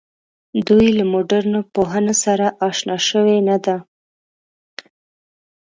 دوی له مډرنو پوهنو سره آشنا شوې نه ده.